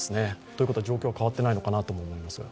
ということは状況が変わっていないのかなと思います。